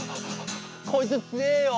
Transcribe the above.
こいつつえよ。